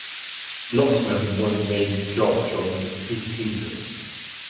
Losman won the job during the preseason.